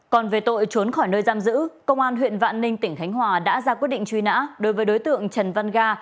còn về tội trốn khỏi nơi giam giữ công an huyện vạn ninh tỉnh khánh hòa đã ra quyết định truy nã đối với đối tượng trần văn ga